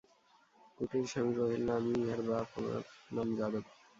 কুটিরস্বামী কহিল, আমি ইহার বাপ, আমার নাম যাদব।